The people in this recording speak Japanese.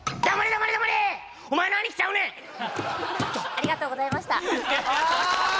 ありがとうございましたあ！